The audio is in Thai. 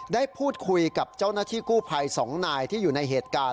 ได้พูดคุยกับเจ้าหน้าที่กู้ภัย๒นายที่อยู่ในเหตุการณ์